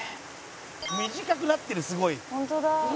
「短くなってるすごい」「ホントだ」